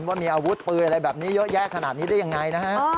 ว่ามีอาวุธปืนอะไรแบบนี้เยอะแยะขนาดนี้ได้ยังไงนะฮะ